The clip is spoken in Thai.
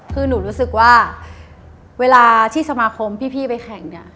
คือหนูรู้สึกว่าเวลาที่สมาคมพี่ไปแข่งเนี่ย